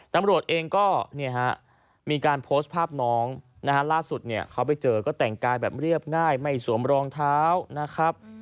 ตำรวจเองก็มีการโพสต์ภาพน้องนะฮะล่าสุดเนี่ยเขาไปเจอก็แต่งกายแบบเรียบง่ายไม่สวมรองเท้านะครับ